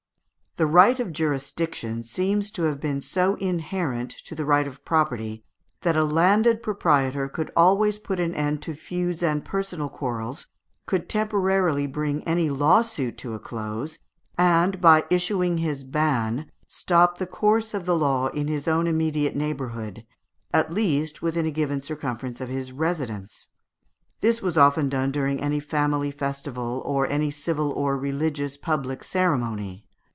The right of jurisdiction seems to have been so inherent to the right of property, that a landed proprietor could always put an end to feuds and personal quarrels, could temporarily bring any lawsuit to a close, and, by issuing his ban, stop the course of the law in his own immediate neighbourhood at least, within a given circumference of his residence. This was often done during any family festival, or any civil or religious public ceremony.